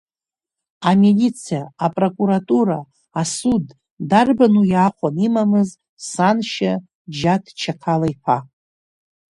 Амилициа, апрокуратура, асуд дарбану иаахәаны имамыз саншьа Џьаҭ Чақала-иԥа.